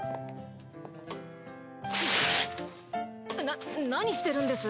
な何してるんです！？